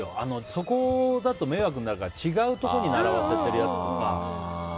そこだと迷惑だから違うところに並ばせているやつとか。